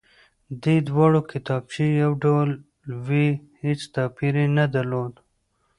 دې دواړې کتابچې يو ډول وې هېڅ توپير يې نه درلود،